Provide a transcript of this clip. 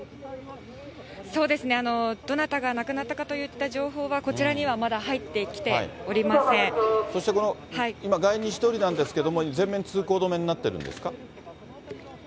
そうですね、どなたが亡くなったかといった情報はこちらにはまだ入ってきておそして、この今、外苑西通りなんですけれども、全面通行止めになってるんですか？